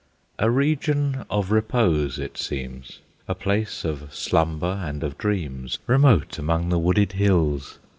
A region of repose it seems, A place of slumber and of dreams, Remote among the wooded hills!